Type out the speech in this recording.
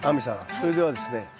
それではですね